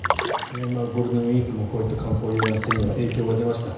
ゴールデンウィークもこういった観光遊覧船には影響が出ました。